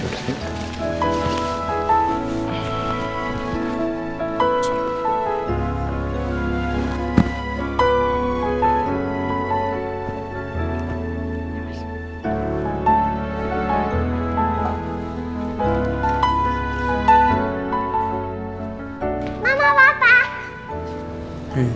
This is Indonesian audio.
coba duduk sedikit